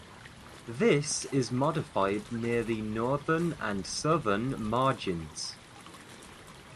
This is modified near the northern and southern margins.